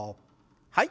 はい。